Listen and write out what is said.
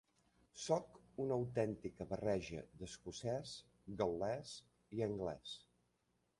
Sóc una autèntica barreja d'escocès, gal·lès i anglès.